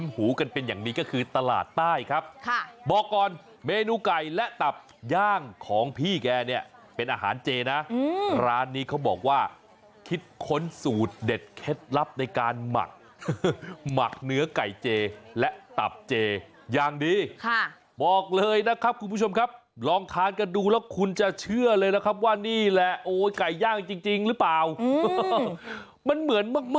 เห็นเนื้อสัมผัสของมันแล้วน่าจะคล้ายอยู่